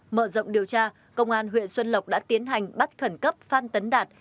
mở rộng điều tra công an huyện xuân lộc đã tiến hành bắt khẩn cấp phan tấn đạt